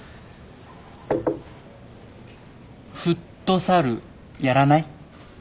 フットサルやらない？